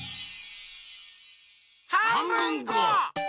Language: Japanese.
はんぶんこ！